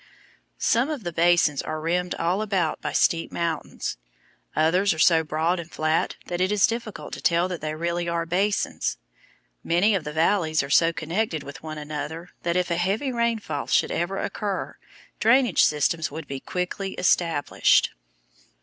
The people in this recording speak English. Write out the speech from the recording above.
Some of the basins are rimmed all about by steep mountains, others are so broad and flat that it is difficult to tell that they really are basins. Many of the valleys are so connected with one another that if a heavy rainfall should ever occur drainage systems would be quickly established.